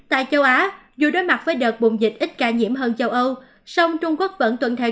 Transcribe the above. tại châu á dù đối mặt với đợt bùng dịch ít ca nhiễm hơn châu âu song trung quốc vẫn tuân theo